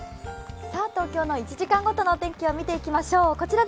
東京の１時間ごとの天気を見ていきましょう。